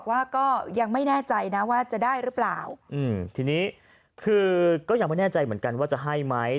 ก็ยังไม่แน่ใจเหมือนกันว่าจะให้ไหม